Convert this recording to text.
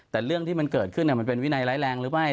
แต่เรื่องที่มันเกิดขึ้นมันเป็นวินัยร้ายแรงหรือไม่